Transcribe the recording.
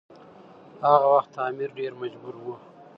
هغه وخت امیر ډیر مجبور و.